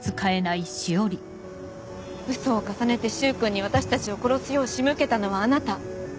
ウソを重ねて柊君に私たちを殺すよう仕向けたのはあなた。